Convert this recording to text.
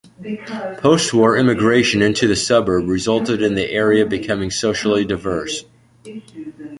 Postwar immigration into the suburb resulted in the area becoming socially diverse.